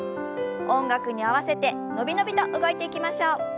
音楽に合わせて伸び伸びと動いていきましょう。